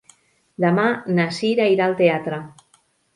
Demà na Cira irà al teatre.